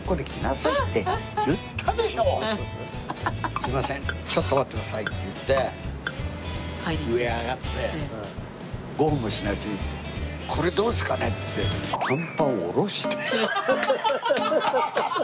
「すいませんちょっと待ってください」って言って上上がって５分もしないうちに「これどうですかね？」って言って短パン下ろして。